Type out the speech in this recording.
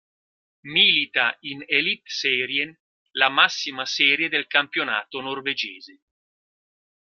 Milita in Eliteserien, la massima serie del campionato norvegese.